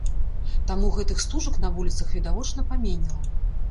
Таму гэтых стужак на вуліцах відавочна паменела.